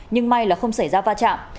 nhưng may là không xảy ra va chạm